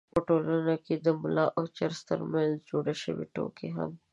په ټولنه کې د ملا او چرسي تر منځ جوړې شوې ټوکې هم